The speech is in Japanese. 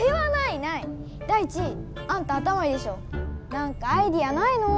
なんかアイデアないの？